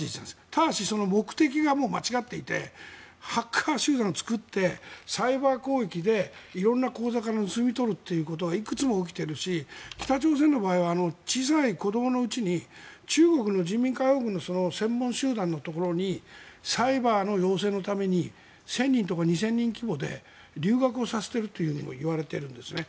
ただし、目的が間違っていてハッカー集団を作ってサイバー攻撃で色んな口座から盗み取るということがいくつも起きているし北朝鮮の場合は色んなことがいくつも起きているしサイバーの養成のために１０００人とか２０００人規模で留学をさせているともいわれているんですね。